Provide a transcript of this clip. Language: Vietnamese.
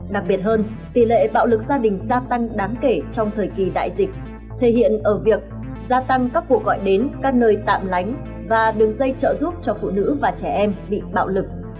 đặc biệt hơn tỷ lệ bạo lực gia đình gia tăng đáng kể trong thời kỳ đại dịch thể hiện ở việc gia tăng các cuộc gọi đến các nơi tạm lánh và đường dây trợ giúp cho phụ nữ và trẻ em bị bạo lực